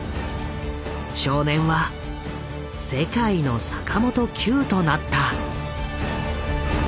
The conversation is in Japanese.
少年は世界の坂本九となった。